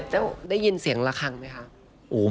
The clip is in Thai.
ถ้ายินเสียงละครั้งไหมคะ